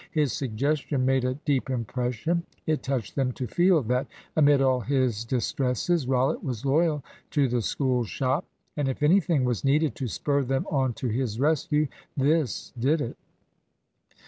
His suggestion made a deep impression. It touched them to feel that, amid all his distresses, Rollitt was loyal to the School shop; and if anything was needed to spur them on to his rescue, this did it.